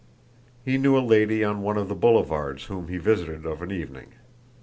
He knew a lady on one of the boulevards whom he visited of an evening.